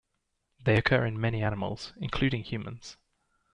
They occur in many animals, including humans.